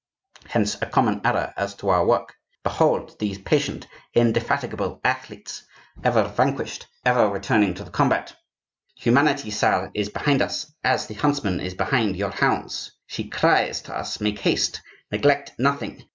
Hence a common error as to our work. Behold these patient, indefatigable athletes, ever vanquished, yet ever returning to the combat! Humanity, sire, is behind us, as the huntsman is behind your hounds. She cries to us: 'Make haste! neglect nothing!